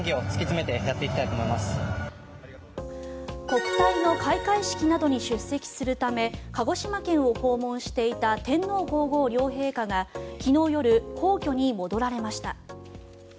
国体の開会式などに出席するため鹿児島県を訪問していた天皇・皇后両陛下が昨日夜、皇居に戻られました。